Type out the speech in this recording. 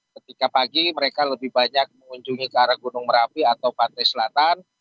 ketika pagi mereka lebih banyak mengunjungi ke arah gunung merapi atau pantai selatan